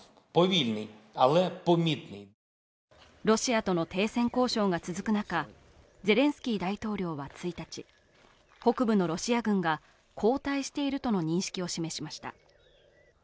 ロシアとの停戦交渉が続く中、ゼレンスキー大統領は１日、北部のロシア軍が後退しているとの認識を示しました。